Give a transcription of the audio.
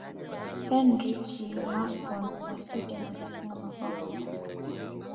henrik larson wa sweden alifunga mabao matatu